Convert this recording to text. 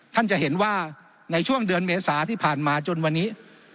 ท่านจะเห็นว่าในช่วงเดือนเมษาที่ผ่านมาจนวันนี้